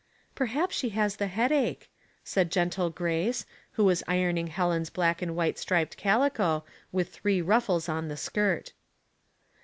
''Perhaps she has the headache," said gentle Grace, who was ironing Helen's black and white striped calico, with three ruffles on the skirt.